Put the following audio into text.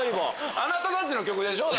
あなたたちの曲でしょ？